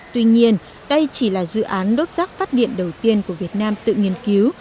tuy nhiên đây chỉ là dự án đốt rác phát điện đầu tiên của việt nam tự nghiên cứu